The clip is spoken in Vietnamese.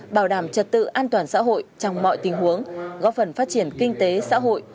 bảo đảm trật tự an toàn xã hội trong mọi tình huống góp phần phát triển kinh tế xã hội